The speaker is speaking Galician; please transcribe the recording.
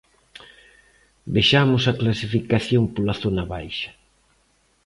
Vexamos a clasificación pola zona baixa.